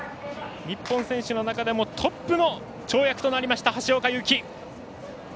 日本選手の中でもトップの跳躍となった橋岡優輝。